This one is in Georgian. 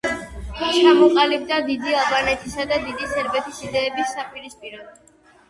ჩამოყალიბდა დიდი ალბანეთისა და დიდი სერბეთის იდეების საპირისპიროდ.